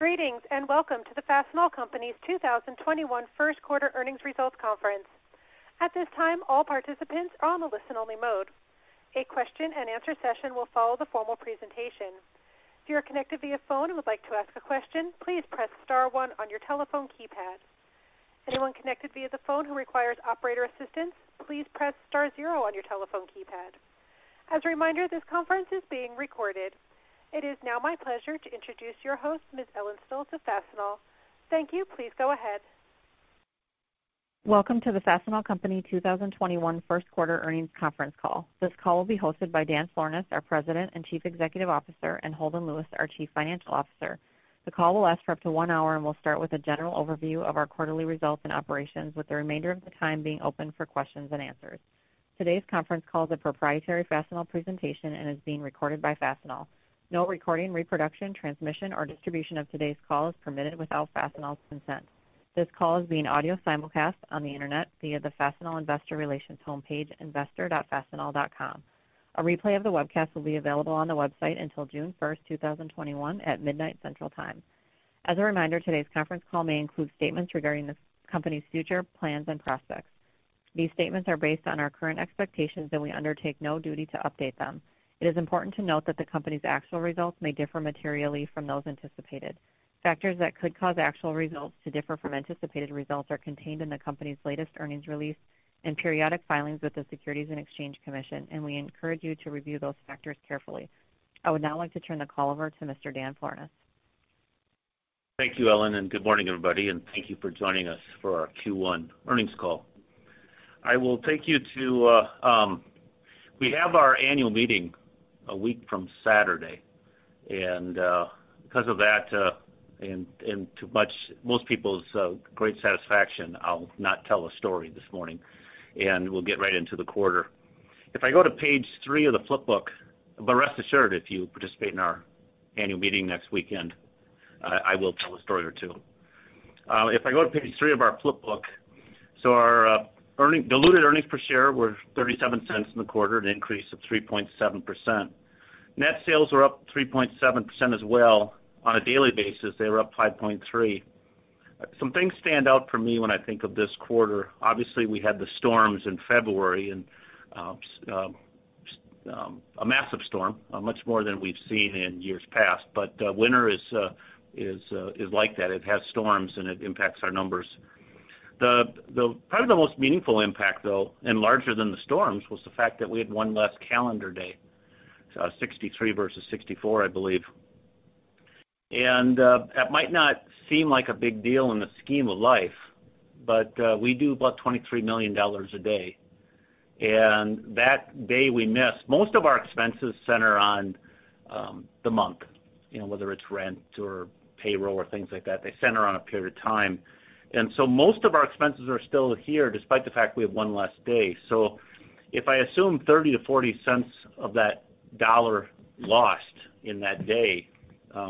Greetings, welcome to the Fastenal Company's 2021 first quarter earnings results conference. It is now my pleasure to introduce your host, Ms. Ellen Stolts, of Fastenal. Thank you. Please go ahead. Welcome to the Fastenal Company 2021 first quarter earnings conference call. This call will be hosted by Dan Florness, our President and Chief Executive Officer, and Holden Lewis, our Chief Financial Officer. The call will last for up to one hour and will start with a general overview of our quarterly results and operations, with the remainder of the time being open for questions and answers. Today's conference call is a proprietary Fastenal presentation and is being recorded by Fastenal. No recording, reproduction, transmission, or distribution of today's call is permitted without Fastenal's consent. This call is being audio simulcast on the internet via the Fastenal investor relations homepage, investor.fastenal.com. A replay of the webcast will be available on the website until June 1st, 2021, at midnight Central Time. As a reminder, today's conference call may include statements regarding the company's future plans and prospects. These statements are based on our current expectations, and we undertake no duty to update them. It is important to note that the company's actual results may differ materially from those anticipated. Factors that could cause actual results to differ from anticipated results are contained in the company's latest earnings release and periodic filings with the Securities and Exchange Commission, and we encourage you to review those factors carefully. I would now like to turn the call over to Mr. Dan Florness. Good morning, everybody, and thank you for joining us for our Q1 earnings call. We have our annual meeting a week from Saturday, and because of that and to most people's great satisfaction, I'll not tell a story this morning, and we'll get right into the quarter. Rest assured, if you participate in our annual meeting next weekend, I will tell a story or two. If I go to page three of our flip book, our diluted earnings per share were $0.37 in the quarter, an increase of 3.7%. Net sales were up 3.7% as well. On a daily basis, they were up 5.3%. Some things stand out for me when I think of this quarter. Obviously, we had the storms in February and a massive storm, much more than we've seen in years past. Winter is like that. It has storms, and it impacts our numbers. Probably the most meaningful impact, though, and larger than the storms, was the fact that we had one less calendar day, 63 versus 64, I believe. That might not seem like a big deal in the scheme of life, but we do about $23 million a day. That day we missed, most of our expenses center on the month, whether it's rent or payroll or things like that. They center on a period of time. Most of our expenses are still here, despite the fact we have one less day. If I assume $0.30-$0.40 of that dollar lost in that day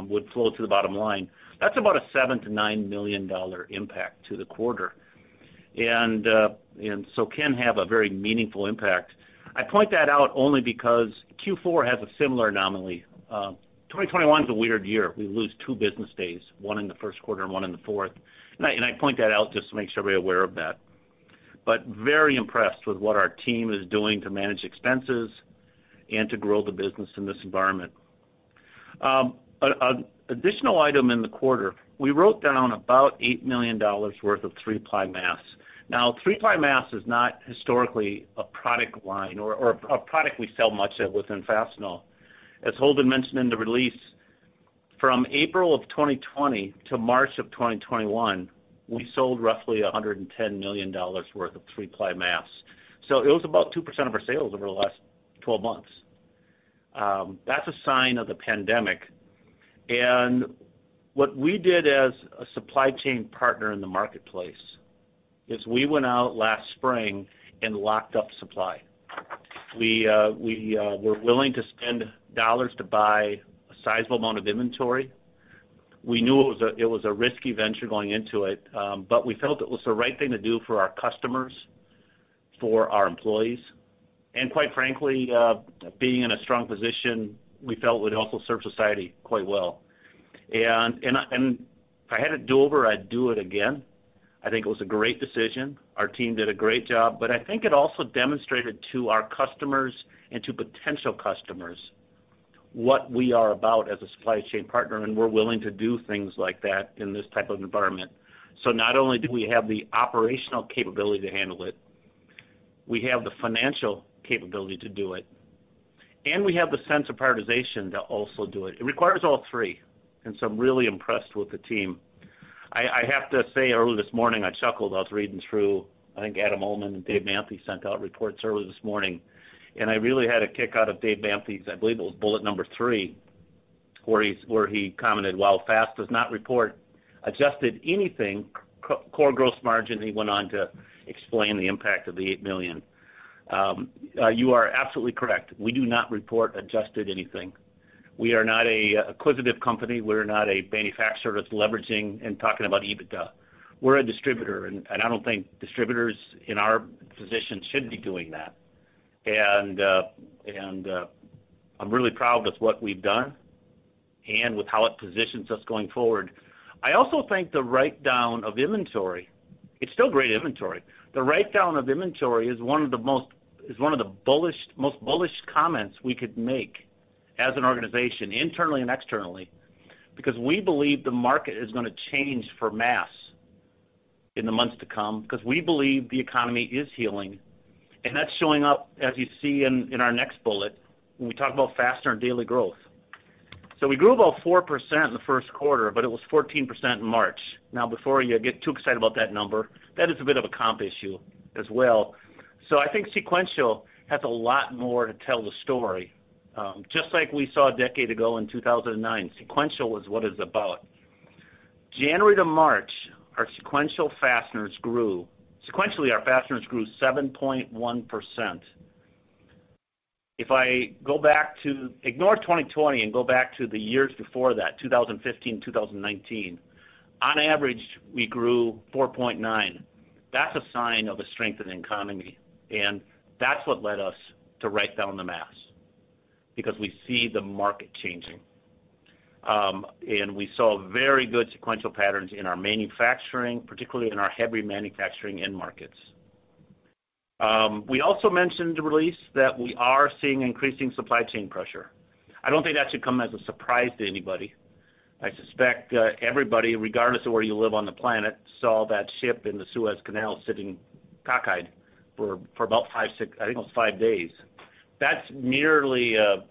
would flow to the bottom line, that's about a $7 million-$9 million impact to the quarter, and so can have a very meaningful impact. I point that out only because Q4 has a similar anomaly. 2021's a weird year. We lose two business days, one in the first quarter and one in the fourth. I point that out just to make sure we're aware of that. Very impressed with what our team is doing to manage expenses and to grow the business in this environment. An additional item in the quarter, we wrote down about $8 million worth of 3-ply masks. Now, three-ply masks is not historically a product line or a product we sell much of within Fastenal. As Holden mentioned in the release, from April of 2020 to March of 2021, we sold roughly $110 million worth of three-ply masks. It was about 2% of our sales over the last 12 months. That's a sign of the pandemic. What we did as a supply chain partner in the marketplace is we went out last spring and locked up supply. We were willing to spend dollars to buy a sizable amount of inventory. We knew it was a risky venture going into it, but we felt it was the right thing to do for our customers, for our employees, and quite frankly, being in a strong position, we felt would also serve society quite well. If I had to do over, I'd do it again. I think it was a great decision. Our team did a great job, but I think it also demonstrated to our customers and to potential customers what we are about as a supply chain partner, and we're willing to do things like that in this type of environment. Not only do we have the operational capability to handle it, we have the financial capability to do it, and we have the sense of prioritization to also do it. It requires all three. I'm really impressed with the team. I have to say, early this morning, I chuckled. I was reading through, I think Adam Uhlman and David Manthey sent out reports early this morning, and I really had a kick out of David Manthey's, I believe it was bullet number three, where he commented, "While Fastenal does not report adjusted anything core gross margin," he went on to explain the impact of the $8 million. You are absolutely correct. We do not report adjusted anything. We are not an acquisitive company. We're not a manufacturer that's leveraging and talking about EBITDA. We're a distributor, and I don't think distributors in our position should be doing that. I'm really proud with what we've done and with how it positions us going forward. I also think the write-down of inventory, it's still great inventory. The write-down of inventory is one of the most bullish comments we could make as an organization, internally and externally, because we believe the market is going to change for mass in the months to come, because we believe the economy is healing. That's showing up as you see in our next bullet, when we talk about fastener and daily growth. We grew about 4% in the first quarter, but it was 14% in March. Now, before you get too excited about that number, that is a bit of a comp issue as well. I think sequential has a lot more to tell the story. Just like we saw a decade ago in 2009, sequential was what is about. January to March, sequentially our fasteners grew 7.1%. Ignore 2020 and go back to the years before that, 2015, 2019. On average, we grew 4.9%. That's a sign of a strengthening economy, that's what led us to write down the math, because we see the market changing. We saw very good sequential patterns in our manufacturing, particularly in our heavy manufacturing end markets. We also mentioned the release that we are seeing increasing supply chain pressure. I don't think that should come as a surprise to anybody. I suspect everybody, regardless of where you live on the planet, saw that ship in the Suez Canal sitting cockeyed for about five, six I think almost 5 days. That's merely a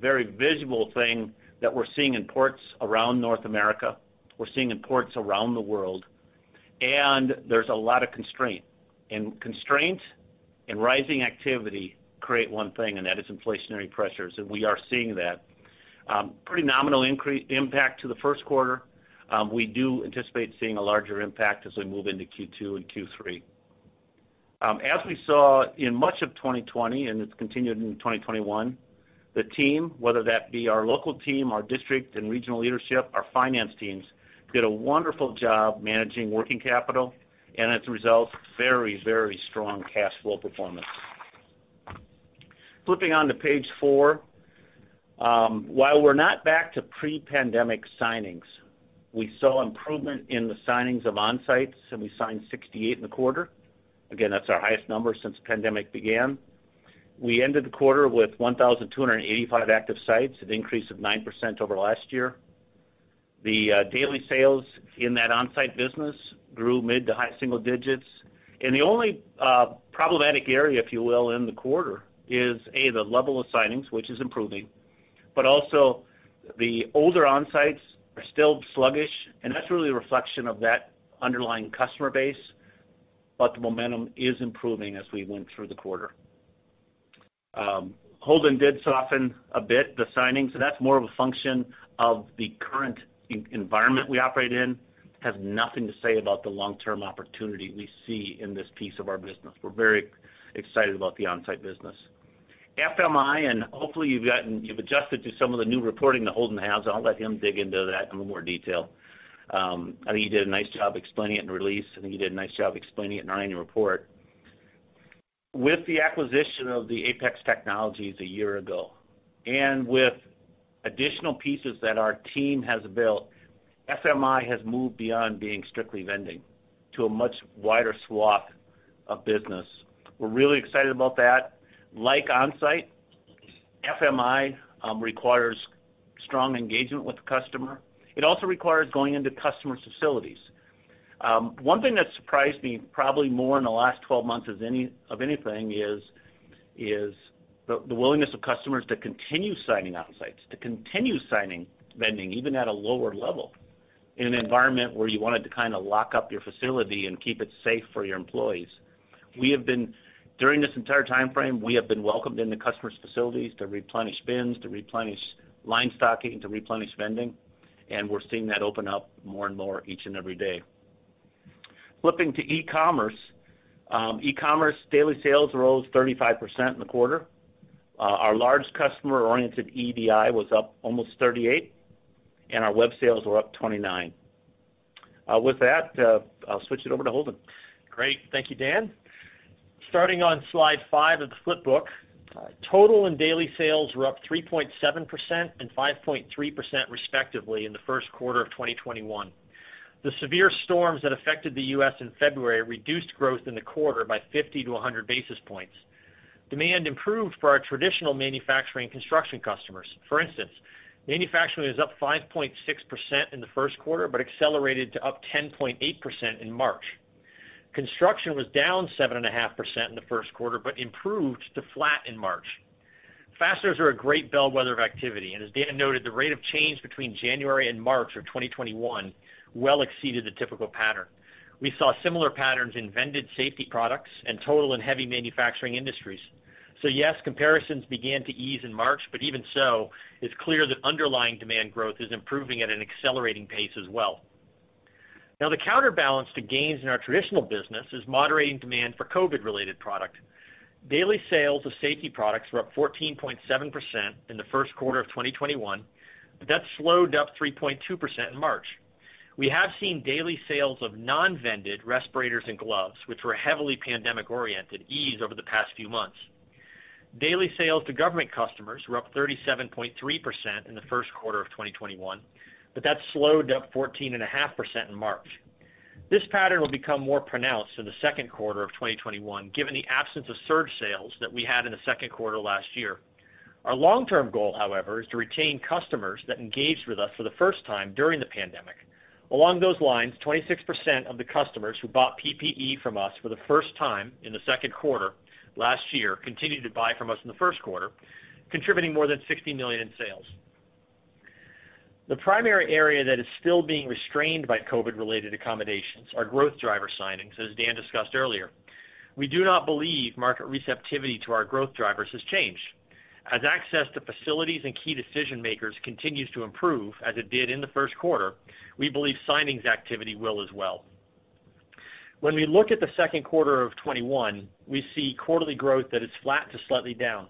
very visible thing that we're seeing in ports around North America. We're seeing in ports around the world. There's a lot of constraint. Constraint and rising activity create one thing, and that is inflationary pressures, and we are seeing that. Pretty nominal impact to the first quarter. We do anticipate seeing a larger impact as we move into Q2 and Q3. As we saw in much of 2020, and it's continued in 2021, the team, whether that be our local team, our district and regional leadership, our finance teams, did a wonderful job managing working capital, and as a result, very strong cash flow performance. Flipping on to page four. While we're not back to pre-pandemic signings, we saw improvement in the signings of onsites, and we signed 68 in the quarter. Again, that's our highest number since the pandemic began. We ended the quarter with 1,285 active sites, an increase of 9% over last year. The daily sales in that onsite business grew mid to high single digits, and the only problematic area, if you will, in the quarter is, A, the level of signings, which is improving, but also the older onsites are still sluggish, and that's really a reflection of that underlying customer base. The momentum is improving as we went through the quarter. Holden did soften a bit, the signings. That's more of a function of the current environment we operate in, has nothing to say about the long-term opportunity we see in this piece of our business. We're very excited about the onsite business. FMI, and hopefully you've adjusted to some of the new reporting that Holden has. I'll let him dig into that in more detail. I think he did a nice job explaining it in the release. I think he did a nice job explaining it in our annual report. With the acquisition of the Apex technologies a year ago, and with additional pieces that our team has built, FMI has moved beyond being strictly vending to a much wider swath of business. We're really excited about that. Like onsite, FMI requires strong engagement with the customer. It also requires going into customers' facilities. One thing that surprised me probably more in the last 12 months of anything is the willingness of customers to continue signing onsites, to continue signing vending, even at a lower level in an environment where you wanted to lock up your facility and keep it safe for your employees. During this entire timeframe, we have been welcomed into customers' facilities to replenish bins, to replenish line stocking, to replenish vending, and we're seeing that open up more and more each and every day. Flipping to e-commerce. E-commerce daily sales rose 35% in the quarter. Our large customer-oriented EDI was up almost 38, and our web sales were up 29. With that, I'll switch it over to Holden. Great. Thank you, Dan. Starting on slide five of the flip book. Total and daily sales were up 3.7% and 5.3% respectively in the first quarter of 2021. The severe storms that affected the U.S. in February reduced growth in the quarter by 50-100 basis points. Demand improved for our traditional manufacturing construction customers. For instance, manufacturing was up 5.6% in the first quarter, but accelerated to up 10.8% in March. Construction was down 7.5% in the first quarter, but improved to flat in March. Fasteners are a great bellwether of activity, and as Dan noted, the rate of change between January and March of 2021 well exceeded the typical pattern. We saw similar patterns in vended safety products and total and heavy manufacturing industries. Yes, comparisons began to ease in March, but even so, it's clear that underlying demand growth is improving at an accelerating pace as well. The counterbalance to gains in our traditional business is moderating demand for COVID-related product. Daily sales of safety products were up 14.7% in the first quarter of 2021, but that slowed to up 3.2% in March. We have seen daily sales of non-vended respirators and gloves, which were heavily pandemic-oriented, ease over the past few months. Daily sales to government customers were up 37.3% in the first quarter of 2021, but that slowed to 14.5% in March. This pattern will become more pronounced in the second quarter of 2021, given the absence of surge sales that we had in the second quarter last year. Our long-term goal, however, is to retain customers that engaged with us for the first time during the pandemic. Along those lines, 26% of the customers who bought PPE from us for the first time in the second quarter last year continued to buy from us in the first quarter, contributing more than $60 million in sales. The primary area that is still being restrained by COVID-related accommodations are growth driver signings, as Dan discussed earlier. We do not believe market receptivity to our growth drivers has changed. As access to facilities and key decision-makers continues to improve as it did in the first quarter, we believe signings activity will as well. When we look at the second quarter of 2021, we see quarterly growth that is flat to slightly down.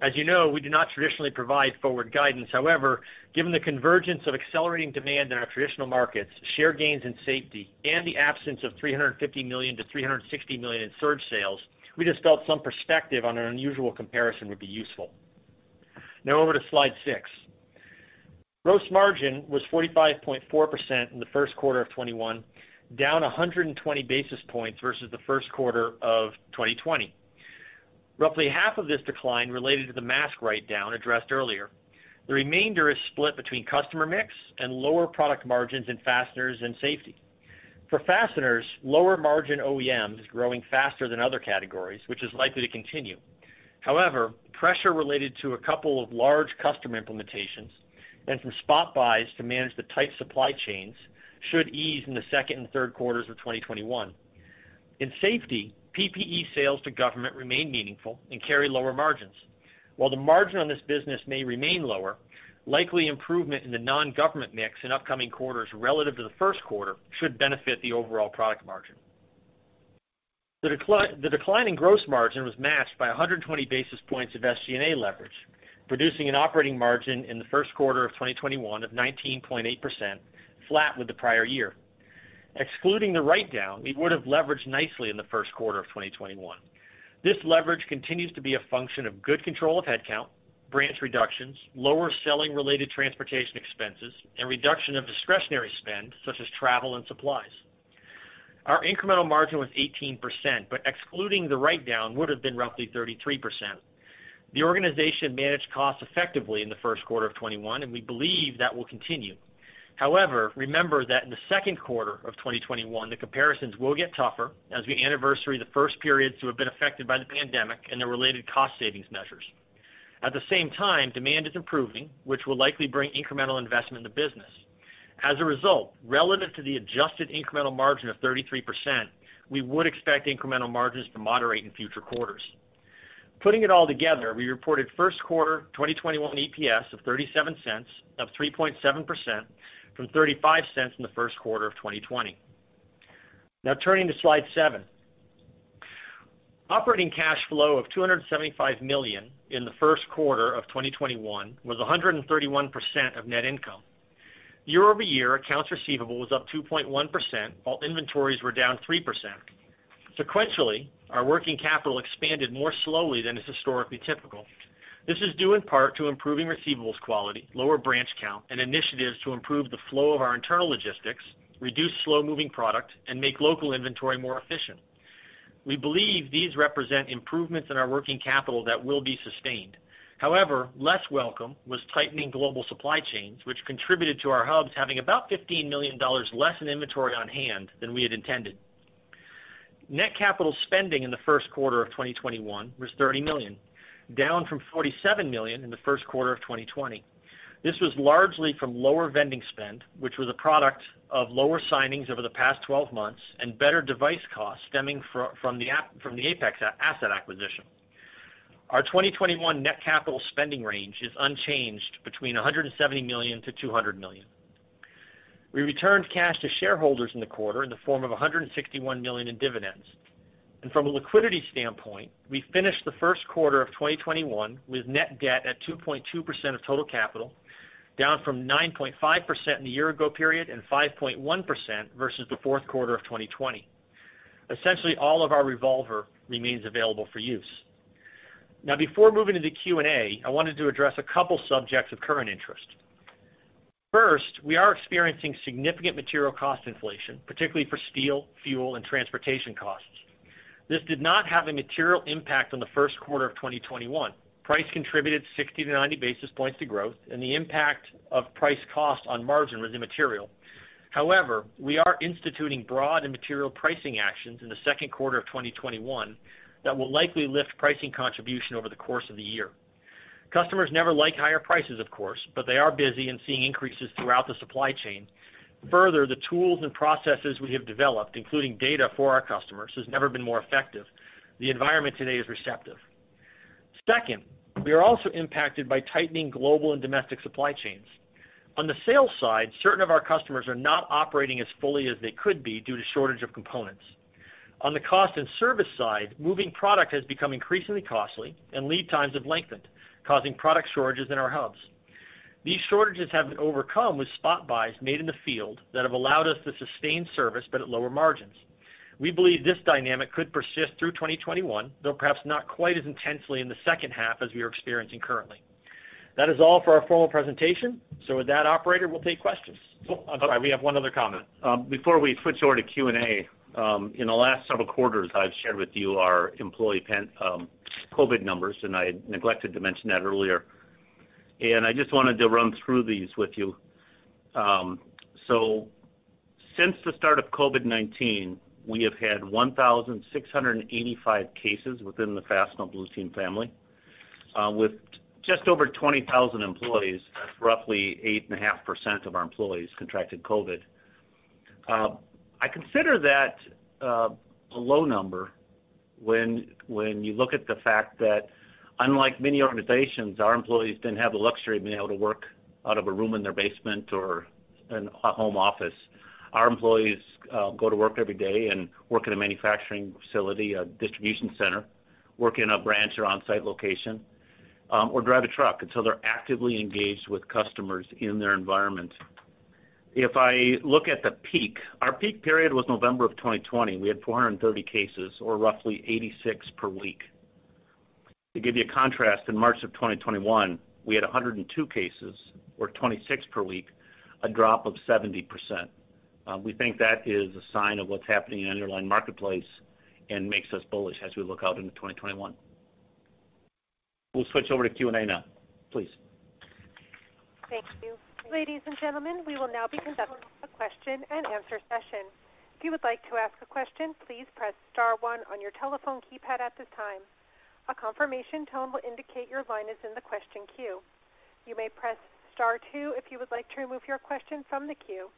As you know, we do not traditionally provide forward guidance. However, given the convergence of accelerating demand in our traditional markets, share gains in safety, and the absence of $350 million-$360 million in surge sales, we just felt some perspective on an unusual comparison would be useful. Now over to slide six. Gross margin was 45.4% in the first quarter of 2021, down 120 basis points versus the first quarter of 2020. Roughly half of this decline related to the mask write-down addressed earlier. The remainder is split between customer mix and lower product margins in fasteners and safety. For fasteners, lower margin OEM is growing faster than other categories, which is likely to continue. However, pressure related to a couple of large customer implementations and some spot buys to manage the tight supply chains should ease in the second and third quarters of 2021. In safety, PPE sales to government remain meaningful and carry lower margins. While the margin on this business may remain lower, likely improvement in the non-government mix in upcoming quarters relative to the first quarter should benefit the overall product margin. The decline in gross margin was matched by 120 basis points of SG&A leverage, producing an operating margin in the first quarter of 2021 of 19.8%, flat with the prior year. Excluding the write-down, we would have leveraged nicely in the first quarter of 2021. This leverage continues to be a function of good control of headcount, branch reductions, lower selling-related transportation expenses, and reduction of discretionary spend, such as travel and supplies. Our incremental margin was 18%, but excluding the write-down, would have been roughly 33%. The organization managed costs effectively in the first quarter of 2021, and we believe that will continue. However, remember that in the second quarter of 2021, the comparisons will get tougher as we anniversary the first periods to have been affected by the pandemic and the related cost savings measures. At the same time, demand is improving, which will likely bring incremental investment in the business. As a result, relative to the adjusted incremental margin of 33%, we would expect incremental margins to moderate in future quarters. Putting it all together, we reported first quarter 2021 EPS of $0.37, up 3.7% from $0.35 in the first quarter of 2020. Turning to slide seven. Operating cash flow of $275 million in the first quarter of 2021 was 131% of net income. Year-over-year, accounts receivable was up 2.1%, while inventories were down 3%. Sequentially, our working capital expanded more slowly than is historically typical. This is due in part to improving receivables quality, lower branch count, and initiatives to improve the flow of our internal logistics, reduce slow-moving product, and make local inventory more efficient. We believe these represent improvements in our working capital that will be sustained. Less welcome was tightening global supply chains, which contributed to our hubs having about $15 million less in inventory on hand than we had intended. Net capital spending in the first quarter of 2021 was $30 million, down from $47 million in the first quarter of 2020. This was largely from lower vending spend, which was a product of lower signings over the past 12 months and better device costs stemming from the Apex asset acquisition. Our 2021 net capital spending range is unchanged between $170 million-$200 million. We returned cash to shareholders in the quarter in the form of $161 million in dividends. From a liquidity standpoint, we finished the first quarter of 2021 with net debt at 2.2% of total capital, down from 9.5% in the year ago period and 5.1% versus the fourth quarter of 2020. Essentially, all of our revolver remains available for use. Now, before moving to the Q&A, I wanted to address a couple subjects of current interest. First, we are experiencing significant material cost inflation, particularly for steel, fuel, and transportation costs. This did not have a material impact on the first quarter of 2021. Price contributed 60-90 basis points to growth, and the impact of price cost on margin was immaterial. However, we are instituting broad and material pricing actions in the second quarter of 2021 that will likely lift pricing contribution over the course of the year. Customers never like higher prices, of course, but they are busy and seeing increases throughout the supply chain. Further, the tools and processes we have developed, including data for our customers, has never been more effective. The environment today is receptive. Second, we are also impacted by tightening global and domestic supply chains. On the sales side, certain of our customers are not operating as fully as they could be due to shortage of components. On the cost and service side, moving product has become increasingly costly and lead times have lengthened, causing product shortages in our hubs. These shortages have been overcome with spot buys made in the field that have allowed us to sustain service, but at lower margins. We believe this dynamic could persist through 2021, though perhaps not quite as intensely in the second half as we are experiencing currently. That is all for our formal presentation. With that, operator, we'll take questions. I'm sorry. We have one other comment. Before we switch over to Q&A, in the last several quarters, I've shared with you our employee COVID numbers, and I neglected to mention that earlier. I just wanted to run through these with you. Since the start of COVID-19, we have had 1,685 cases within the Fastenal Blue Team family. With just over 20,000 employees, that's roughly 8.5% of our employees contracted COVID. I consider that a low number when you look at the fact that unlike many organizations, our employees didn't have the luxury of being able to work out of a room in their basement or a home office. Our employees go to work every day and work in a manufacturing facility, a distribution center, work in a branch or onsite location, or drive a truck until they're actively engaged with customers in their environment. If I look at the peak, our peak period was November 2020. We had 430 cases, or roughly 86 per week. To give you a contrast, in March 2021, we had 102 cases or 26 per week, a drop of 70%. We think that is a sign of what's happening in the underlying marketplace and makes us bullish as we look out into 2021. We'll switch over to Q&A now, please. Thank you. Ladies and gentlemen, we will now be conducting a question and answer session. If you would like to ask a question, please press star one on your telephone keypad at this time. A confirmation tone will indicate your line is in the question queue. You may press star two if you would like to remove your question from the queue.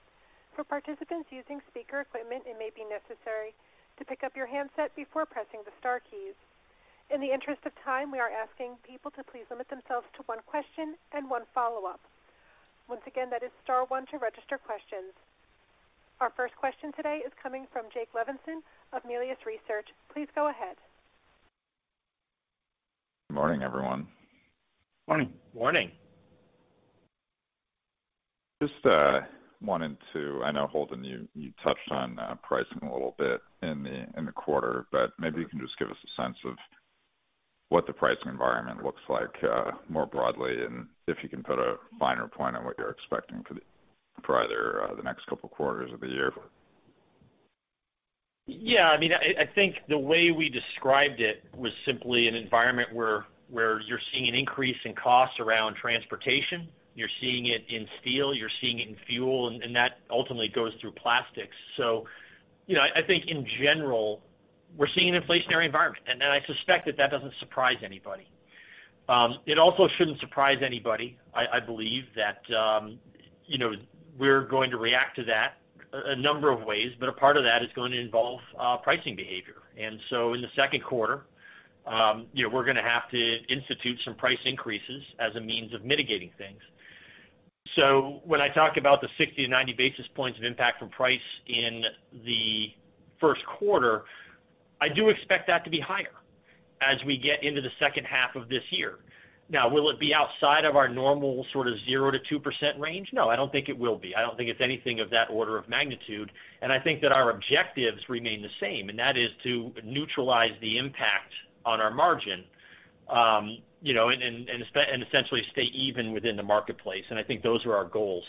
For participants using speaker equipment, it may be necessary to pick up your handset before pressing the star keys. In the interest of time, we are asking people to please limit themselves to one question and one follow-up. Once again, that is star one to register questions. Our first question today is coming from Jake Levinson of Melius Research. Please go ahead. Good morning, everyone. Morning. Morning. I know, Holden, you touched on pricing a little bit in the quarter, but maybe you can just give us a sense of what the pricing environment looks like more broadly, and if you can put a finer point on what you're expecting for either the next couple of quarters of the year. Yeah. I think the way we described it was simply an environment where you're seeing an increase in costs around transportation. You're seeing it in steel. You're seeing it in fuel, and that ultimately goes through plastics. I think in general, we're seeing an inflationary environment, and I suspect that that doesn't surprise anybody. It also shouldn't surprise anybody, I believe, that we're going to react to that a number of ways. A part of that is going to involve pricing behavior. In the second quarter, we're going to have to institute some price increases as a means of mitigating things. When I talk about the 60 basis points-90 basis points of impact from price in the first quarter, I do expect that to be higher as we get into the second half of this year. Now, will it be outside of our normal sort of 0%-2% range? No, I don't think it will be. I don't think it's anything of that order of magnitude. I think that our objectives remain the same. That is to neutralize the impact on our margin, and essentially stay even within the marketplace. I think those are our goals.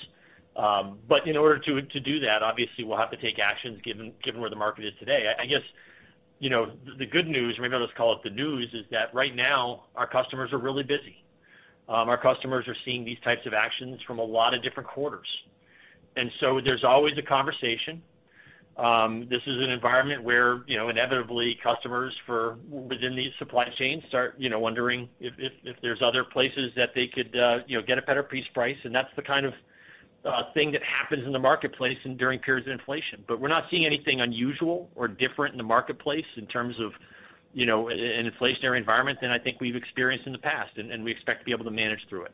In order to do that, obviously, we'll have to take actions given where the market is today. I guess, the good news, maybe I'll just call it the news, is that right now our customers are really busy. Our customers are seeing these types of actions from a lot of different quarters. There's always a conversation. This is an environment where inevitably customers within these supply chains start wondering if there's other places that they could get a better piece price. That's the kind of thing that happens in the marketplace and during periods of inflation. We're not seeing anything unusual or different in the marketplace in terms of an inflationary environment than I think we've experienced in the past. We expect to be able to manage through it.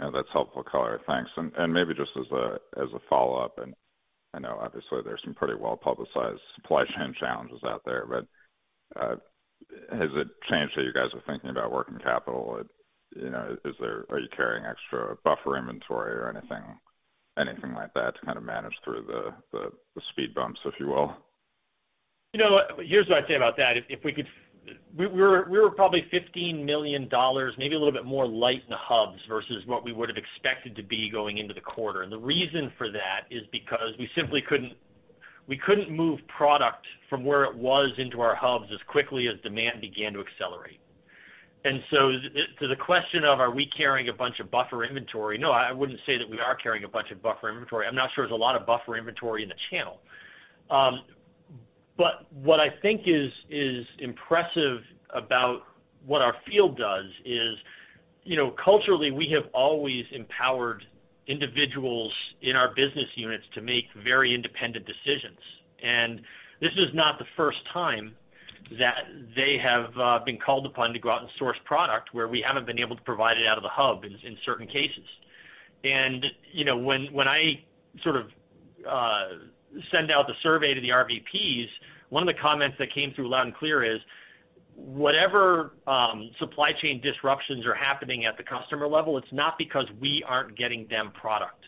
Yeah, that's helpful, Holden. Thanks. Maybe just as a follow-up, and I know obviously there's some pretty well-publicized supply chain challenges out there, but has it changed how you guys are thinking about working capital? Are you carrying extra buffer inventory or anything like that to kind of manage through the speed bumps, if you will? Here's what I'd say about that. We were probably $15 million, maybe a little bit more light in the hubs versus what we would've expected to be going into the quarter. The reason for that is because we simply couldn't move product from where it was into our hubs as quickly as demand began to accelerate. To the question of are we carrying a bunch of buffer inventory? No, I wouldn't say that we are carrying a bunch of buffer inventory. I'm not sure there's a lot of buffer inventory in the channel. What I think is impressive about what our field does is culturally, we have always empowered individuals in our business units to make very independent decisions. This is not the first time that they have been called upon to go out and source product where we haven't been able to provide it out of the hub in certain cases. When I send out the survey to the RVPs, one of the comments that came through loud and clear is, whatever supply chain disruptions are happening at the customer level, it's not because we aren't getting them product.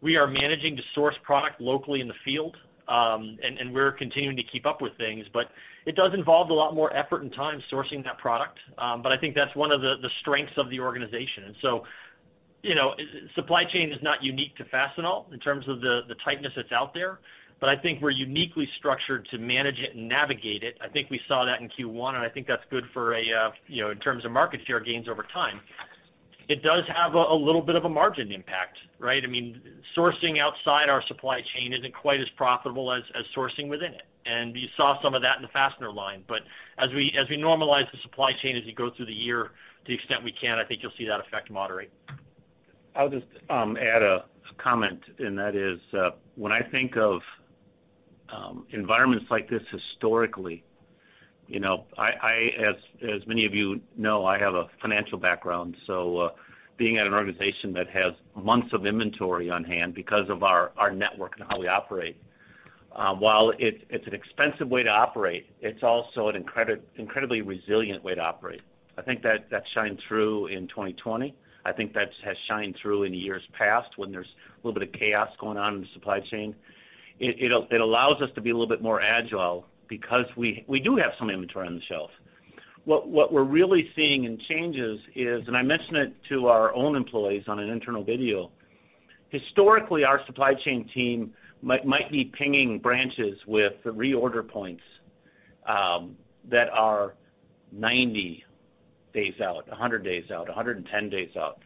We are managing to source product locally in the field, and we're continuing to keep up with things, but it does involve a lot more effort and time sourcing that product. I think that's one of the strengths of the organization. Supply chain is not unique to Fastenal in terms of the tightness that's out there, but I think we're uniquely structured to manage it and navigate it. I think we saw that in Q1, and I think that's good in terms of market share gains over time. It does have a little bit of a margin impact, right? Sourcing outside our supply chain isn't quite as profitable as sourcing within it. You saw some of that in the fastener line. As we normalize the supply chain as we go through the year to the extent we can, I think you'll see that effect moderate. I'll just add a comment, and that is, when I think of environments like this historically, as many of you know, I have a financial background, so being at an organization that has months of inventory on hand because of our network and how we operate, while it's an expensive way to operate, it's also an incredibly resilient way to operate. I think that shined through in 2020. I think that has shined through in the years past when there's a little bit of chaos going on in the supply chain. It allows us to be a little bit more agile because we do have some inventory on the shelf. What we're really seeing in changes is, and I mentioned it to our own employees on an internal video, historically, our supply chain team might be pinging branches with reorder points that are 90 days out, 100 days out, 110 days out.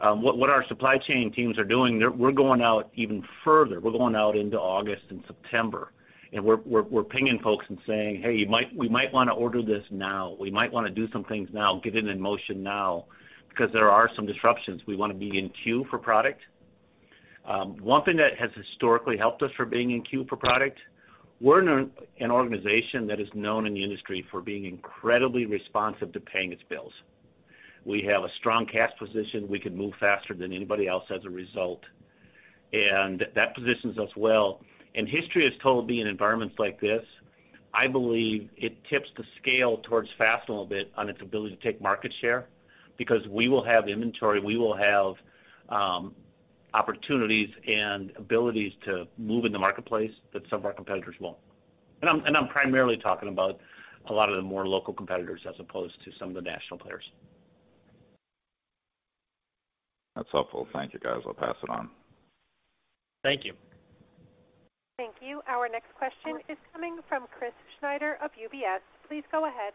What our supply chain teams are doing, we're going out even further. We're going out into August and September, and we're pinging folks and saying, "Hey, we might want to order this now. We might want to do some things now, get it in motion now, because there are some disruptions. We want to be in queue for product." One thing that has historically helped us for being in queue for product, we're an organization that is known in the industry for being incredibly responsive to paying its bills. We have a strong cash position. We can move faster than anybody else as a result. That positions us well. History has told me in environments like this, I believe it tips the scale towards Fastenal a bit on its ability to take market share because we will have inventory, we will have opportunities and abilities to move in the marketplace that some of our competitors won't. I'm primarily talking about a lot of the more local competitors as opposed to some of the national players. That's helpful. Thank you, guys. I'll pass it on. Thank you. Thank you. Our next question is coming from Chris Snyder of UBS. Please go ahead.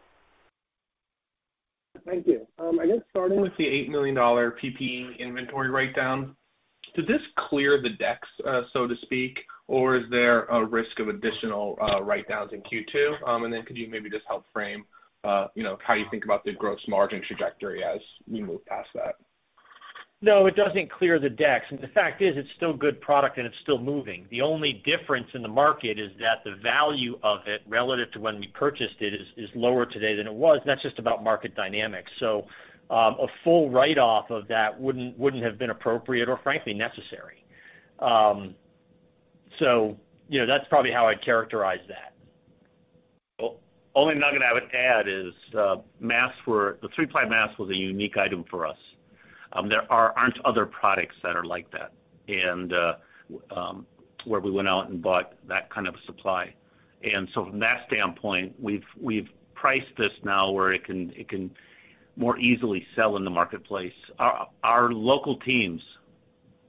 Thank you. I guess starting with the $8 million PPE inventory write-down, does this clear the decks, so to speak, or is there a risk of additional write-downs in Q2? Could you maybe just help frame how you think about the gross margin trajectory as we move past that? No, it doesn't clear the decks. The fact is, it's still good product and it's still moving. The only difference in the market is that the value of it relative to when we purchased it is lower today than it was, and that's just about market dynamics. A full write-off of that wouldn't have been appropriate or frankly, necessary. That's probably how I'd characterize that. Only nugget I would add is, the three-ply mask was a unique item for us. There aren't other products that are like that, and where we went out and bought that kind of supply. From that standpoint, we've priced this now where it can more easily sell in the marketplace. Our local teams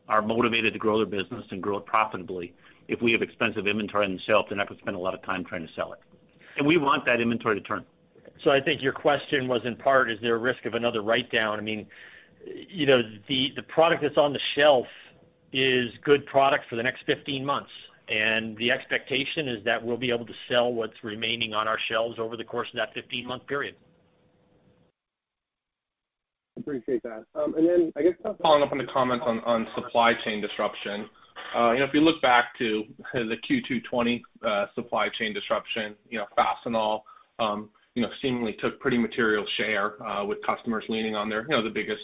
are motivated to grow their business and grow it profitably. If we have expensive inventory on the shelf, they're not going to spend a lot of time trying to sell it. We want that inventory to turn. I think your question was in part, is there a risk of another write-down? The product that's on the shelf is good product for the next 15 months, and the expectation is that we'll be able to sell what's remaining on our shelves over the course of that 15-month period. Appreciate that. I guess following up on the comment on supply chain disruption. If you look back to the Q2 2020 supply chain disruption, Fastenal seemingly took pretty material share with customers leaning on the biggest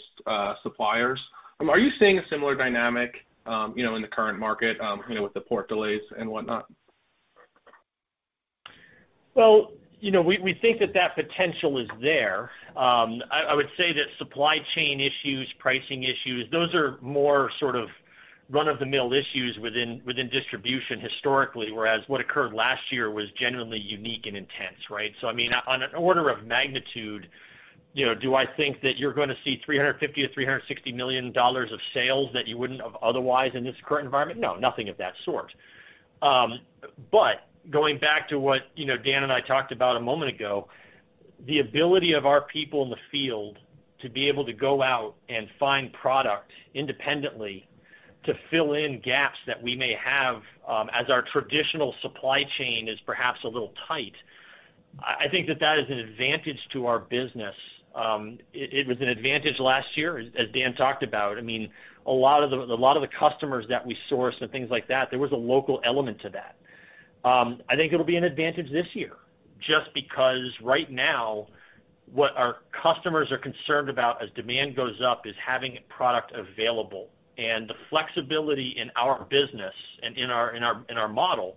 suppliers. Are you seeing a similar dynamic in the current market with the port delays and whatnot? Well, we think that that potential is there. I would say that supply chain issues, pricing issues, those are more sort of run-of-the-mill issues within distribution historically, whereas what occurred last year was genuinely unique and intense, right? On an order of magnitude, do I think that you're going to see $350 million-$360 million of sales that you wouldn't have otherwise in this current environment? No, nothing of that sort. Going back to what Dan and I talked about a moment ago, the ability of our people in the field to be able to go out and find product independently to fill in gaps that we may have as our traditional supply chain is perhaps a little tight. I think that that is an advantage to our business. It was an advantage last year, as Dan talked about. A lot of the customers that we source and things like that, there was a local element to that. I think it'll be an advantage this year just because right now, what our customers are concerned about as demand goes up is having product available. The flexibility in our business and in our model,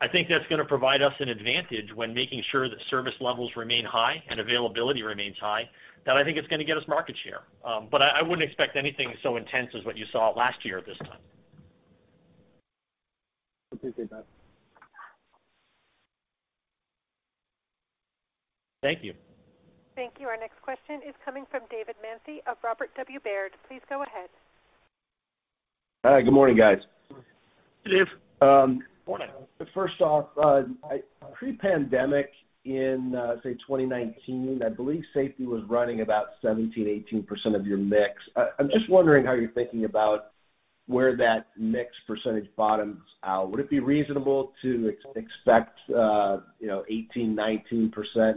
I think that's going to provide us an advantage when making sure that service levels remain high and availability remains high, that I think it's going to get us market share. I wouldn't expect anything so intense as what you saw last year at this time. Appreciate that. Thank you. Thank you. Our next question is coming from David Manthey of Robert W. Baird. Please go ahead. Hi. Good morning, guys. Hey, Dave. Morning. First off, pre-pandemic in, say, 2019, I believe safety was running about 17%-18% of your mix. I'm just wondering how you're thinking about where that mix percentage bottoms out. Would it be reasonable to expect 18%-19% in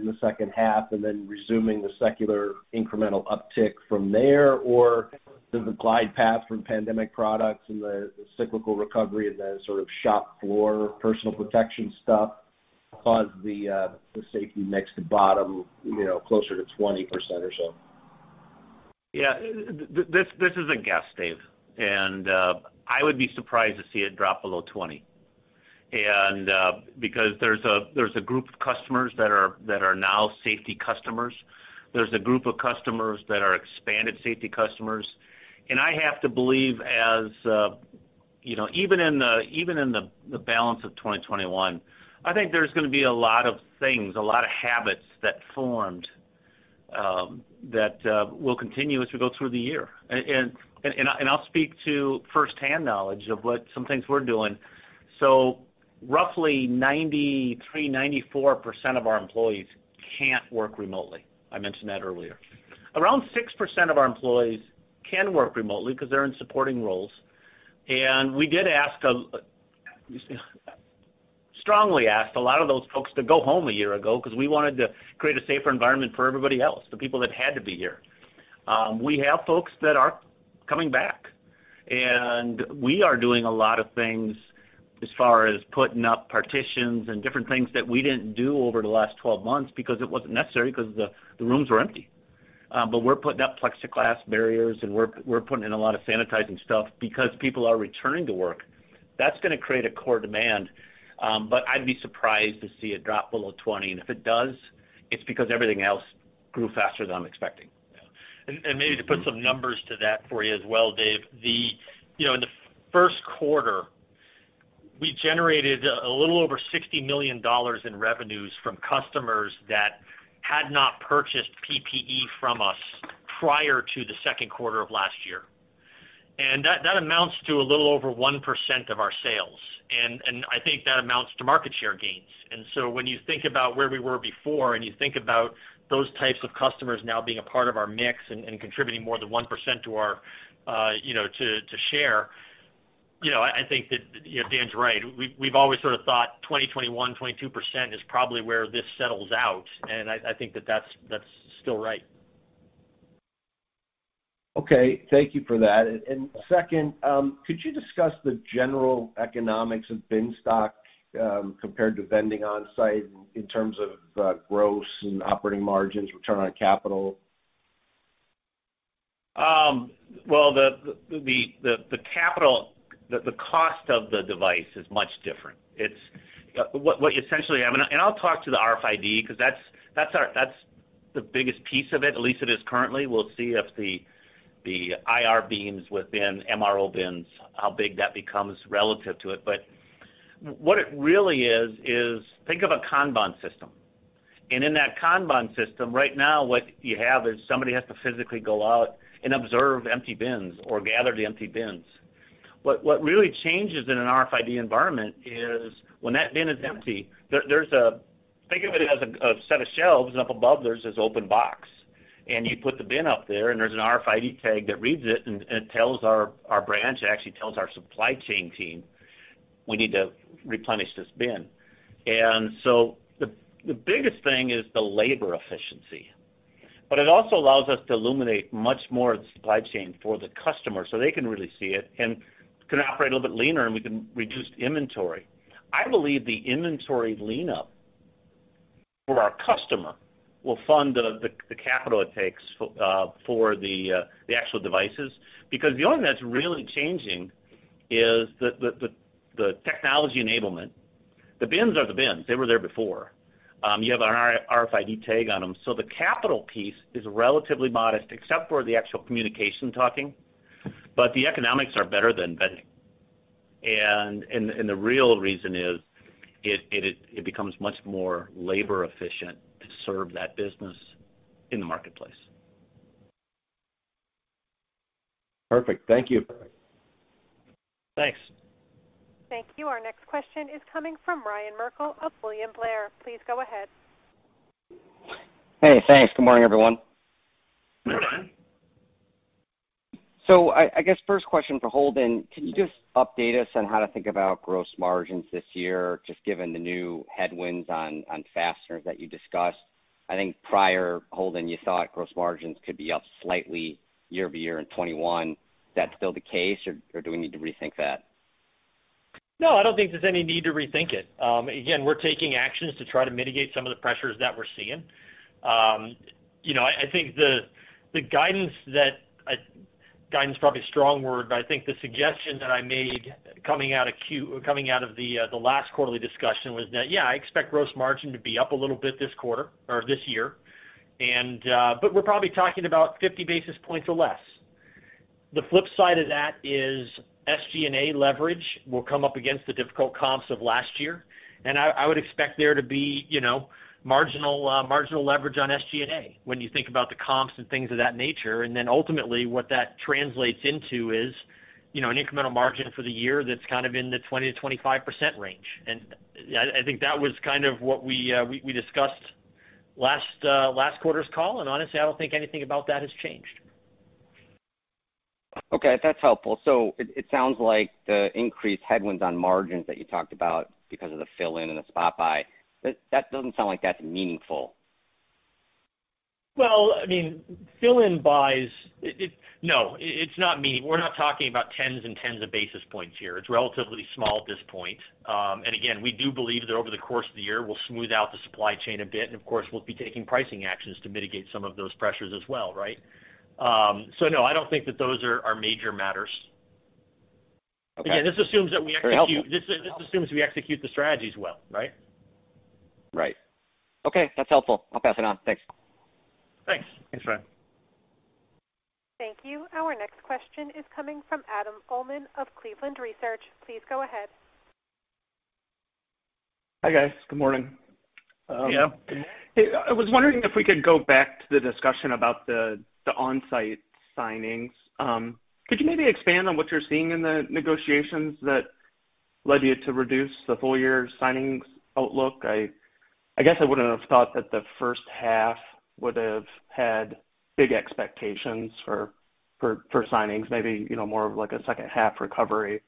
the second half and then resuming the secular incremental uptick from there? Or does the glide path from pandemic products and the cyclical recovery and the sort of shop floor personal protection stuff cause the safety mix to bottom closer to 20% or so? Yeah. This is a guess, Dave. I would be surprised to see it drop below 20. Because there's a group of customers that are now safety customers. There's a group of customers that are expanded safety customers. I have to believe, even in the balance of 2021, I think there's going to be a lot of things, a lot of habits that formed, that will continue as we go through the year. I'll speak to firsthand knowledge of some things we're doing. Roughly 93%-94% of our employees can't work remotely. I mentioned that earlier. Around 6% of our employees can work remotely because they're in supporting roles. We did strongly ask a lot of those folks to go home a year ago because we wanted to create a safer environment for everybody else, the people that had to be here. We have folks that are coming back, and we are doing a lot of things as far as putting up partitions and different things that we didn't do over the last 12 months because it wasn't necessary because the rooms were empty. We're putting up plexiglass barriers, and we're putting in a lot of sanitizing stuff because people are returning to work. That's going to create a core demand, but I'd be surprised to see it drop below 20. If it does, it's because everything else grew faster than I'm expecting. Yeah. Maybe to put some numbers to that for you as well, Dave. In the first quarter, we generated a little over $60 million in revenues from customers that had not purchased PPE from us prior to the second quarter of last year. That amounts to a little over 1% of our sales, and I think that amounts to market share gains. When you think about where we were before and you think about those types of customers now being a part of our mix and contributing more than 1% to share, I think that Dan's right. We've always sort of thought 20, 21, 22% is probably where this settles out, and I think that that's still right. Okay. Thank you for that. Second, could you discuss the general economics of bin stock compared to vending on-site in terms of gross and operating margins, return on capital? Well, the cost of the device is much different. I'll talk to the RFID because that's the biggest piece of it, at least it is currently. We'll see if the IR beams within MRO bins, how big that becomes relative to it. What it really is think of a kanban system. In that kanban system, right now what you have is somebody has to physically go out and observe empty bins or gather the empty bins. What really changes in an RFID environment is when that bin is empty, think of it as a set of shelves and up above there's this open box. You put the bin up there, and there's an RFID tag that reads it and it tells our branch, it actually tells our supply chain team we need to replenish this bin. The biggest thing is the labor efficiency, but it also allows us to illuminate much more of the supply chain for the customer so they can really see it and can operate a little bit leaner, and we can reduce inventory. I believe the inventory lean up for our customer will fund the capital it takes for the actual devices. The only thing that's really changing is the technology enablement. The bins are the bins. They were there before. You have an RFID tag on them, the capital piece is relatively modest, except for the actual communication talking. The economics are better than vending. The real reason is it becomes much more labor efficient to serve that business in the marketplace. Perfect. Thank you. Thanks. Thank you. Our next question is coming from Ryan Merkel of William Blair. Please go ahead. Hey, thanks. Good morning, everyone. I guess first question for Holden. Can you just update us on how to think about gross margins this year, just given the new headwinds on fasteners that you discussed? I think prior, Holden, you thought gross margins could be up slightly year-over-year in 2021. Is that still the case, or do we need to rethink that? No, I don't think there's any need to rethink it. We're taking actions to try to mitigate some of the pressures that we're seeing. I think the guidance that guidance is probably a strong word, but I think the suggestion that I made coming out of the last quarterly discussion was that, yeah, I expect gross margin to be up a little bit this quarter or this year. We're probably talking about 50 basis points or less. The flip side of that is SG&A leverage will come up against the difficult comps of last year, and I would expect there to be marginal leverage on SG&A when you think about the comps and things of that nature. Ultimately, what that translates into is an incremental margin for the year that's kind of in the 20%-25% range. I think that was kind of what we discussed last quarter's call, and honestly, I don't think anything about that has changed. Okay. That's helpful. It sounds like the increased headwinds on margins that you talked about because of the fill-in and the spot buy, that doesn't sound like that's meaningful. Well, I mean, fill-in buys No, it's not meaning. We're not talking about tens and tens of basis points here. It's relatively small at this point. Again, we do believe that over the course of the year, we'll smooth out the supply chain a bit, and of course, we'll be taking pricing actions to mitigate some of those pressures as well, right? No, I don't think that those are major matters. Okay. Very helpful. Again, this assumes we execute the strategies well, right? Right. Okay, that's helpful. I'll pass it on. Thanks. Thanks. Thanks, Ryan. Thank you. Our next question is coming from Adam Uhlman of Cleveland Research. Please go ahead. Hi, guys. Good morning. Yeah. I was wondering if we could go back to the discussion about the on-site signings. Could you maybe expand on what you're seeing in the negotiations that led you to reduce the full year signings outlook? I guess I wouldn't have thought that the first half would have had big expectations for signings, maybe more of a second half recovery.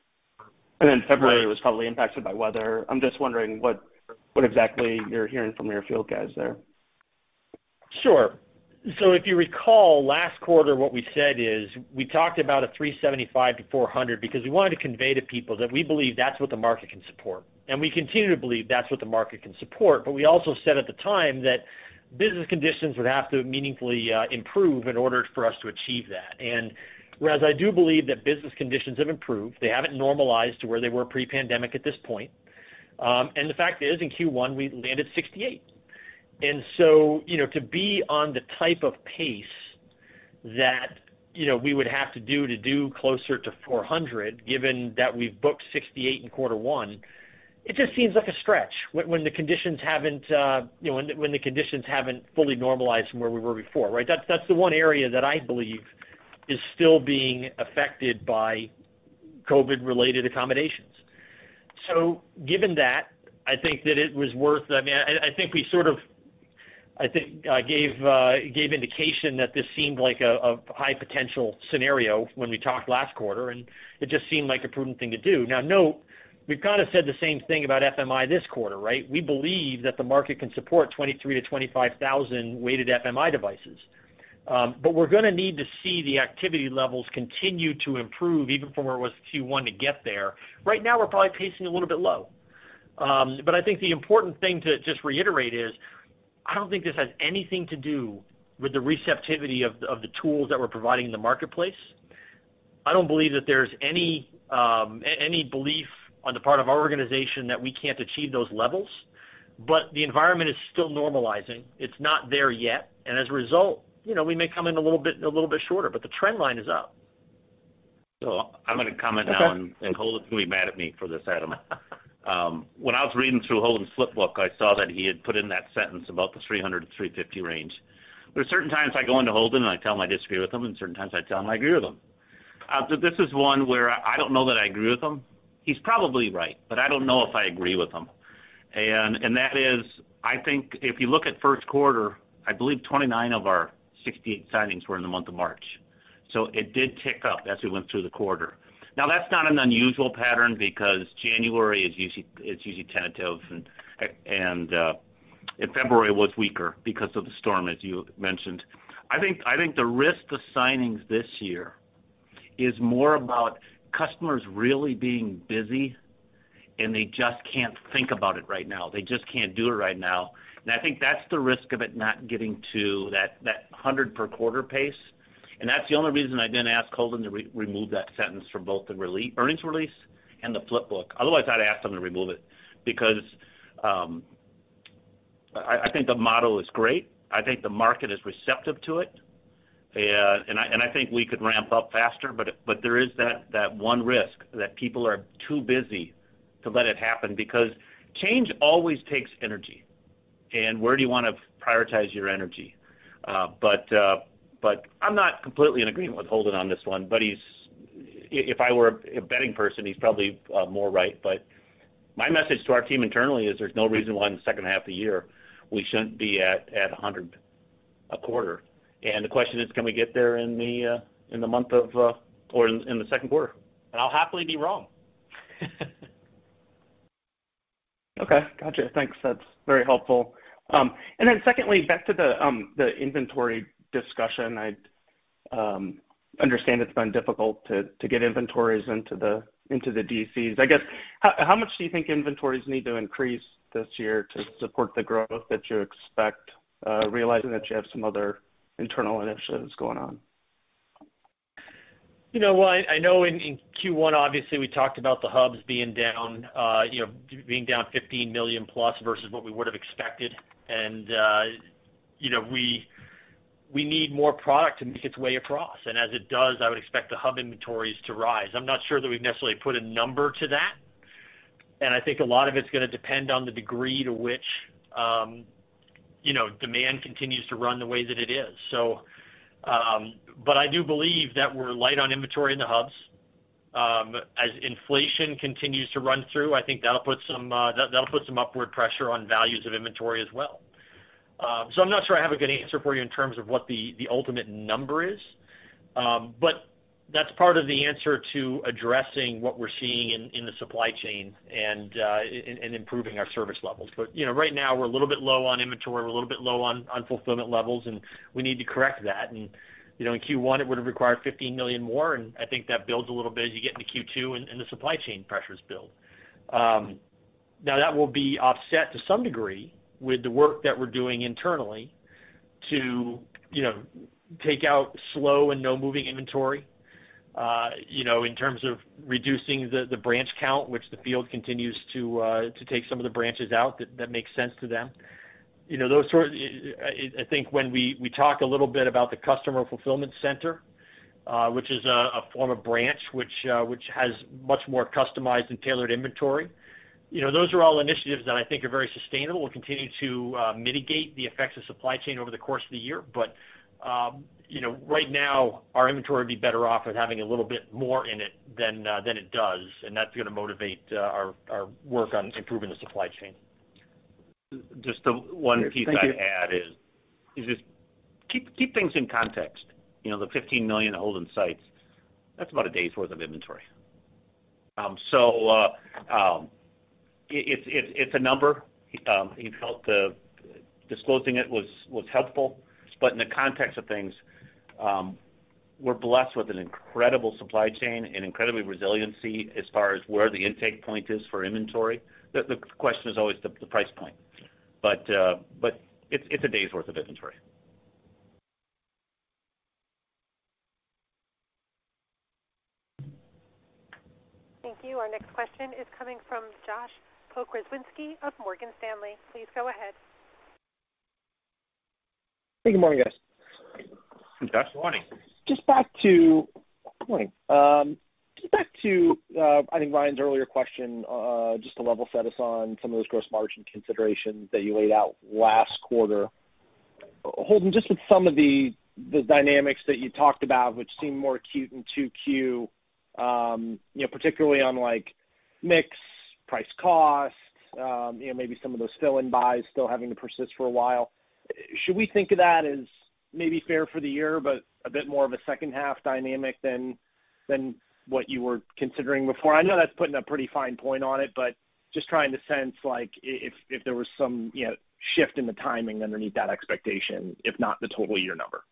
February was probably impacted by weather. I'm just wondering what exactly you're hearing from your field guys there. Sure. If you recall, last quarter, what we said is we talked about a 375-400 because we wanted to convey to people that we believe that's what the market can support, and we continue to believe that's what the market can support. We also said at the time that business conditions would have to meaningfully improve in order for us to achieve that. Whereas I do believe that business conditions have improved, they haven't normalized to where they were pre-pandemic at this point. The fact is, in Q1, we landed 68. To be on the type of pace that we would have to do to do closer to 400, given that we've booked 68 in quarter one, it just seems like a stretch when the conditions haven't fully normalized from where we were before, right? That's the one area that I believe is still being affected by COVID-19-related accommodations. Given that, I think that it was worth I think I gave indication that this seemed like a high potential scenario when we talked last quarter, and it just seemed like a prudent thing to do. Now, note, we've kind of said the same thing about FMI this quarter, right? We believe that the market can support 23,000-25,000 weighted FMI devices. We're going to need to see the activity levels continue to improve even from where it was Q1 to get there. Right now, we're probably pacing a little bit low. I think the important thing to just reiterate is, I don't think this has anything to do with the receptivity of the tools that we're providing in the marketplace. I don't believe that there's any belief on the part of our organization that we can't achieve those levels. The environment is still normalizing. It's not there yet. As a result, we may come in a little bit shorter, but the trend line is up. I'm going to comment. Okay Holden's going to be mad at me for this, Adam. When I was reading through Holden's flip book, I saw that he had put in that sentence about the 300-350 range. There are certain times I go into Holden and I tell him I disagree with him, and certain times I tell him I agree with him. This is one where I don't know that I agree with him. He's probably right, I don't know if I agree with him. That is, I think if you look at first quarter, I believe 29 of our 68 signings were in the month of March. It did tick up as we went through the quarter. Now, that's not an unusual pattern because January, it's usually tentative, and February was weaker because of the storm, as you mentioned. I think the risk to signings this year is more about customers really being busy, and they just can't think about it right now. They just can't do it right now. I think that's the risk of it not getting to that 100 per quarter pace. That's the only reason I didn't ask Holden to remove that sentence from both the earnings release and the flip book. Otherwise, I'd ask them to remove it because I think the model is great. I think the market is receptive to it. I think we could ramp up faster, but there is that one risk that people are too busy to let it happen because change always takes energy. Where do you want to prioritize your energy? I'm not completely in agreement with Holden on this one, but if I were a betting person, he's probably more right. But My message to our team internally is there's no reason why in the second half of the year we shouldn't be at 100 a quarter. The question is, can we get there in the second quarter? I'll happily be wrong. Okay. Got you. Thanks. That's very helpful. Secondly, back to the inventory discussion. I understand it's been difficult to get inventories into the DCs. I guess, how much do you think inventories need to increase this year to support the growth that you expect, realizing that you have some other internal initiatives going on? Well, I know in Q1, obviously, we talked about the hubs being down $15 million plus versus what we would've expected. We need more product to make its way across. As it does, I would expect the hub inventories to rise. I'm not sure that we've necessarily put a number to that, and I think a lot of it's going to depend on the degree to which demand continues to run the way that it is. I do believe that we're light on inventory in the hubs. As inflation continues to run through, I think that'll put some upward pressure on values of inventory as well. I'm not sure I have a good answer for you in terms of what the ultimate number is. That's part of the answer to addressing what we're seeing in the supply chain and improving our service levels. Right now, we're a little bit low on inventory. We're a little bit low on fulfillment levels, and we need to correct that. In Q1, it would've required $15 million more, and I think that builds a little bit as you get into Q2, and the supply chain pressures build. Now, that will be offset to some degree with the work that we're doing internally to take out slow and no-moving inventory. In terms of reducing the branch count, which the field continues to take some of the branches out that makes sense to them. I think when we talk a little bit about the customer fulfillment center, which is a form of branch which has much more customized and tailored inventory. Those are all initiatives that I think are very sustainable and continue to mitigate the effects of supply chain over the course of the year. Right now, our inventory would be better off with having a little bit more in it than it does, and that's going to motivate our work on improving the supply chain. Just the one piece I'd add is just keep things in context. The $15 million hold in sites, that's about a day's worth of inventory. It's a number. We felt disclosing it was helpful. In the context of things, we're blessed with an incredible supply chain and incredible resiliency as far as where the intake point is for inventory. The question is always the price point. It's a day's worth of inventory. Thank you. Our next question is coming from Josh Pokrzywinski of Morgan Stanley. Please go ahead. Hey, good morning, guys. Josh, good morning. Good morning. Just back to, I think, Ryan's earlier question, just to level set us on some of those gross margin considerations that you laid out last quarter. Holden, just with some of the dynamics that you talked about, which seem more acute in 2Q, particularly on mix, price cost, maybe some of those fill-in buys still having to persist for a while. Should we think of that as maybe fair for the year, but a bit more of a second half dynamic than what you were considering before? I know that's putting a pretty fine point on it, but just trying to sense if there was some shift in the timing underneath that expectation, if not the total year number.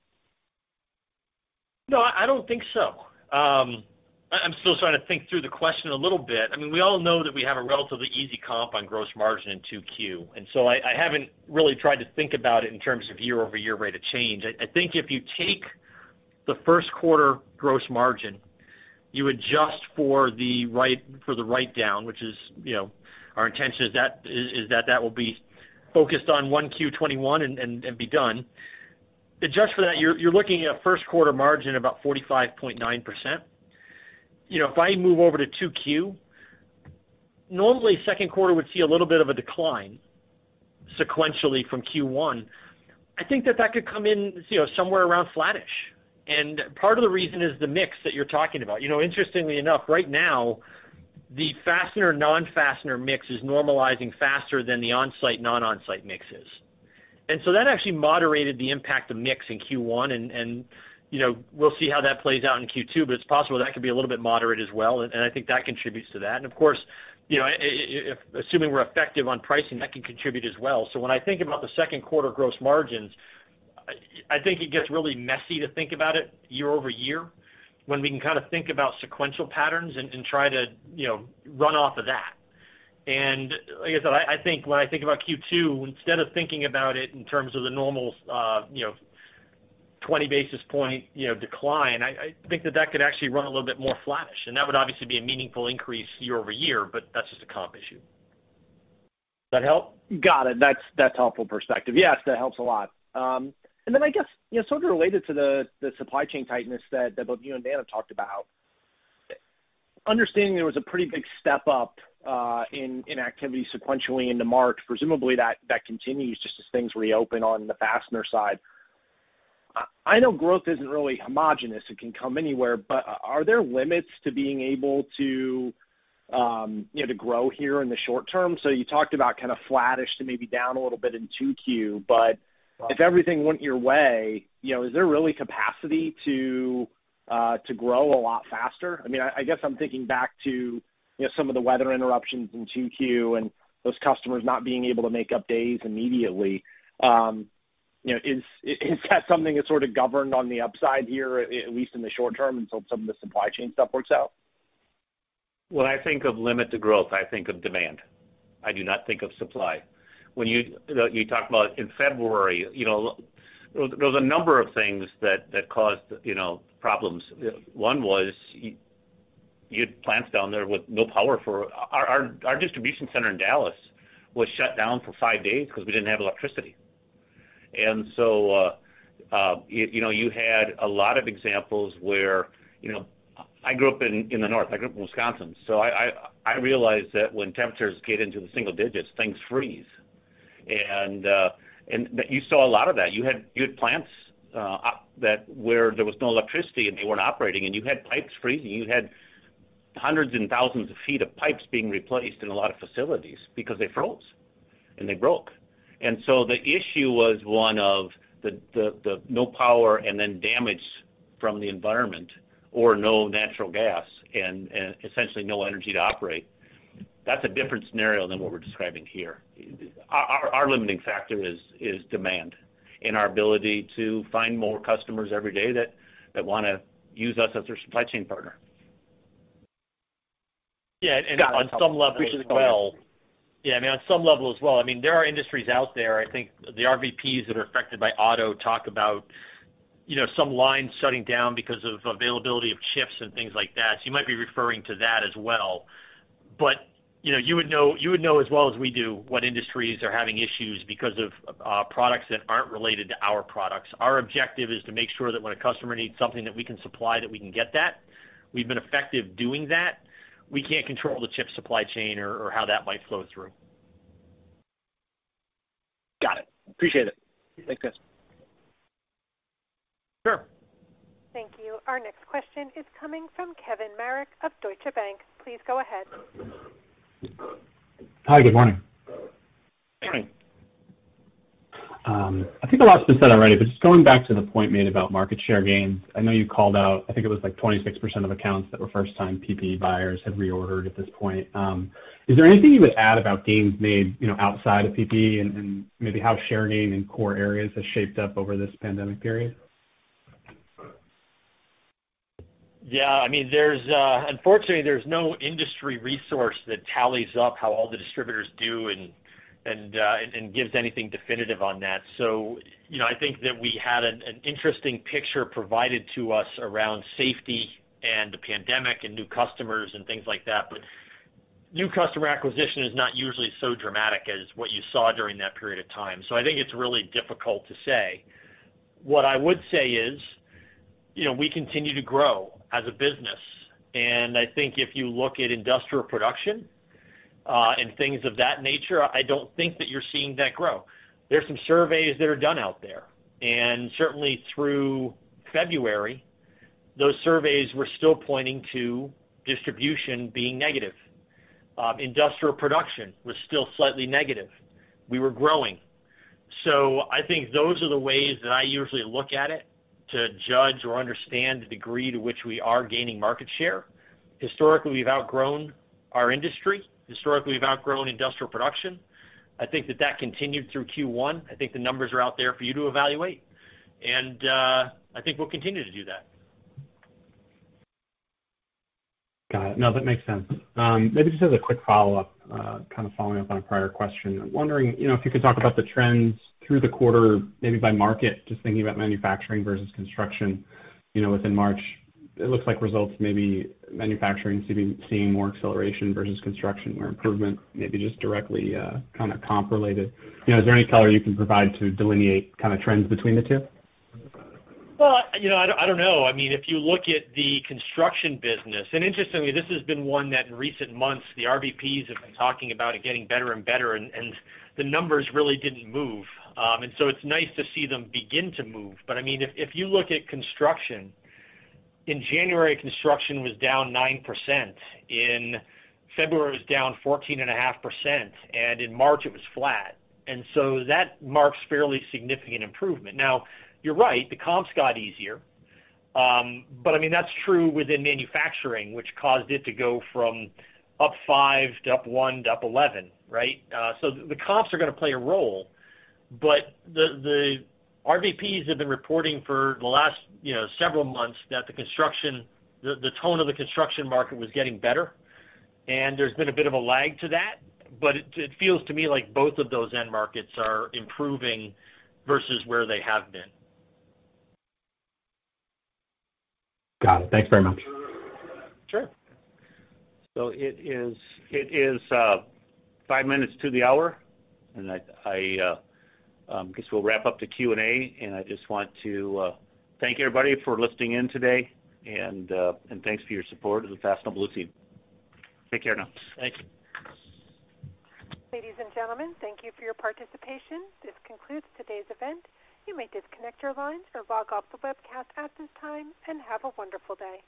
No, I don't think so. I'm still starting to think through the question a little bit. We all know that we have a relatively easy comp on gross margin in 2Q, and so I haven't really tried to think about it in terms of year-over-year rate of change. I think if you take the first quarter gross margin, you adjust for the write-down, which is our intention is that that will be focused on Q1 2021 and be done. Adjust for that, you're looking at a first quarter margin about 45.9%. If I move over to 2Q, normally second quarter would see a little bit of a decline sequentially from Q1. I think that that could come in somewhere around flattish. Part of the reason is the mix that you're talking about. Interestingly enough, right now, the fastener/non-fastener mix is normalizing faster than the on-site/non-on-site mix is. That actually moderated the impact of mix in Q1, and we'll see how that plays out in Q2, but it's possible that could be a little bit moderate as well, and I think that contributes to that. Of course, assuming we're effective on pricing, that can contribute as well. When I think about the second quarter gross margins, I think it gets really messy to think about it year-over-year when we can kind of think about sequential patterns and try to run off of that. Like I said, I think when I think about Q2, instead of thinking about it in terms of the normal 20 basis point decline, I think that that could actually run a little bit more flattish, and that would obviously be a meaningful increase year-over-year, but that's just a comp issue. That help? Got it. That's helpful perspective. Yes, that helps a lot. I guess, sort of related to the supply chain tightness that both you and Dan have talked about. Understanding there was a pretty big step-up in activity sequentially into March, presumably that continues just as things reopen on the fastener side. I know growth isn't really homogenous. It can come anywhere. Are there limits to being able to grow here in the short term? You talked about kind of flattish to maybe down a little bit in 2Q, but if everything went your way, is there really capacity to grow a lot faster? I guess I'm thinking back to some of the weather interruptions in 2Q and those customers not being able to make up days immediately. Is that something that's sort of governed on the upside here, at least in the short term, until some of the supply chain stuff works out? When I think of limit to growth, I think of demand. I do not think of supply. When you talk about in February, there was a number of things that caused problems. One was you had plants down there with no power. Our distribution center in Dallas was shut down for five days because we didn't have electricity. You had a lot of examples. I grew up in the north. I grew up in Wisconsin, so I realize that when temperatures get into the single digits, things freeze. You saw a lot of that. You had plants where there was no electricity, and they weren't operating, and you had pipes freezing. You had hundreds and thousands of feet of pipes being replaced in a lot of facilities because they froze and they broke. The issue was one of the no power and then damage from the environment, or no natural gas, and essentially no energy to operate. That's a different scenario than what we're describing here. Our limiting factor is demand and our ability to find more customers every day that want to use us as their supply chain partner. Yeah. On some level as well. Yeah. On some level as well, there are industries out there, I think the RVPs that are affected by auto talk about some lines shutting down because of availability of chips and things like that. You might be referring to that as well. You would know as well as we do what industries are having issues because of products that aren't related to our products. Our objective is to make sure that when a customer needs something that we can supply, that we can get that. We've been effective doing that. We can't control the chip supply chain or how that might flow through. Got it. Appreciate it. Thanks, guys. Sure. Thank you. Our next question is coming from Kevin Marek of Deutsche Bank. Please go ahead. Hi. Good morning. Morning. I think a lot's been said already, but just going back to the point made about market share gains. I know you called out, I think it was like 26% of accounts that were first time PPE buyers have reordered at this point. Is there anything you would add about gains made outside of PPE and maybe how share gain in core areas has shaped up over this pandemic period? Yeah. Unfortunately, there's no industry resource that tallies up how all the distributors do and gives anything definitive on that. I think that we had an interesting picture provided to us around safety and the pandemic and new customers and things like that. New customer acquisition is not usually so dramatic as what you saw during that period of time. I think it's really difficult to say. What I would say is, we continue to grow as a business, and I think if you look at industrial production and things of that nature, I don't think that you're seeing that grow. There's some surveys that are done out there, and certainly through February, those surveys were still pointing to distribution being negative. Industrial production was still slightly negative. We were growing. I think those are the ways that I usually look at it to judge or understand the degree to which we are gaining market share. Historically, we've outgrown our industry. Historically, we've outgrown industrial production. I think that continued through Q1. I think the numbers are out there for you to evaluate, and I think we'll continue to do that. Got it. No, that makes sense. Maybe just as a quick follow-up, kind of following up on a prior question. I'm wondering if you could talk about the trends through the quarter, maybe by market, just thinking about manufacturing versus construction within March. It looks like results maybe manufacturing seems to be seeing more acceleration versus construction or improvement, maybe just directly kind of comp related. Is there any color you can provide to delineate trends between the two? I don't know. If you look at the construction business, interestingly, this has been one that in recent months, the RVPs have been talking about it getting better and better, and the numbers really didn't move. It's nice to see them begin to move. If you look at construction, in January, construction was down 9%. In February, it was down 14.5%, and in March it was flat. That marks fairly significant improvement. Now, you're right, the comps got easier. That's true within manufacturing, which caused it to go from up five to up one to up 11, right? The comps are going to play a role, but the RVPs have been reporting for the last several months that the tone of the construction market was getting better, and there's been a bit of a lag to that, but it feels to me like both of those end markets are improving versus where they have been. Got it. Thanks very much. Sure. It is five minutes to the hour, I guess we'll wrap up the Q&A, I just want to thank everybody for listening in today, thanks for your support of the Fastenal Blue Team. Take care now. Thank you. Ladies and gentlemen, thank you for your participation. This concludes today's event. You may disconnect your lines or log off the webcast at this time, and have a wonderful day.